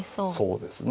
そうですね。